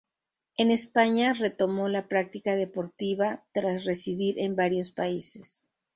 En España retomó la práctica deportiva tras residir en varios países.